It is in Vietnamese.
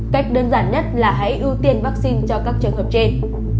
cách đơn giản nhất là hãy ưu tiên vaccine cho các trường hợp trên